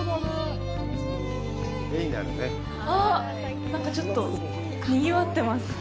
ああ、なんかちょっとにぎわってます。